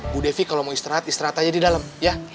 bu devi kalau mau istirahat istirahat aja di dalam ya